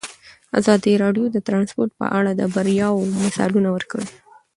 ازادي راډیو د ترانسپورټ په اړه د بریاوو مثالونه ورکړي.